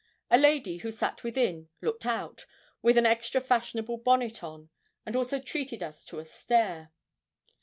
A lady who sat within looked out, with an extra fashionable bonnet on, and also treated us to a stare.